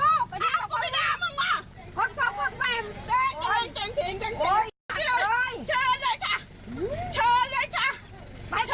มึงเกี่ยวอะไรกับคนนั้นปออ้าวคุณมึงครึ่งมันผิดป่ะ